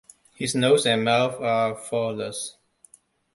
His nose and mouth are faultless.